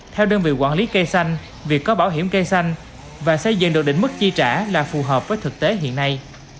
theo đơn vị quản lý cây xanh việc có bảo hiểm cây xanh và xây dựng được định mức chi trả là phù hợp với thực tế hiện nay